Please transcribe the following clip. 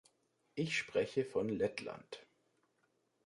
Ich spreche von Lettland.